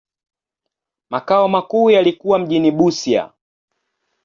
Makao makuu yalikuwa mjini Busia.